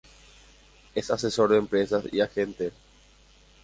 Es asesor de empresas y agente.